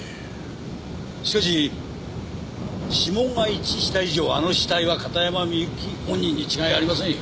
しかし指紋が一致した以上あの死体は片山みゆき本人に違いありませんよ。